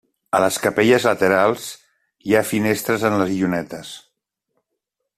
A les capelles laterals hi ha finestres en les llunetes.